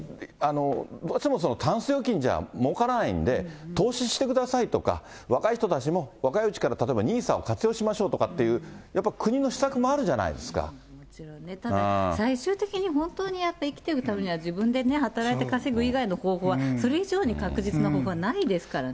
どうしてもたんす預金じゃもうからないんで、投資してくださいとか、若い人たちも、若いうちから例えばＮＩＳＡを活用しましょうとかいうやっぱり国ただ、最終的に本当に自分で生きていくためには自分でね、働いて稼ぐ以外の方法は、それ以上に確実な方法はないですからね。